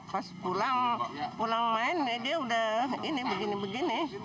pas pulang main dia udah begini begini